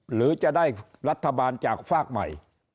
หรือจะได้รัฐบาลจากฝากใหม่